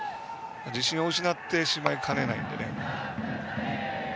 自信を失ってしまいかねないので。